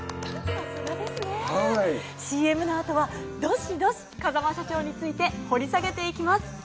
ＣＭの後はどしどし風間社長について掘り下げていきます。